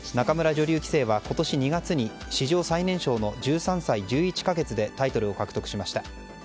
女流棋聖は今年２月に史上最年少の１３歳１１か月でタイトルを獲得しました。